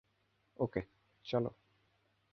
ওকে, চলো।